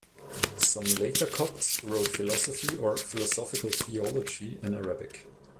Some later Copts wrote philosophy or philosophical theology in Arabic.